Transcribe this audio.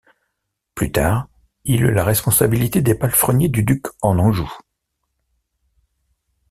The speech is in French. Plus tard, il eut la responsabilité des palefreniers du duc en Anjou.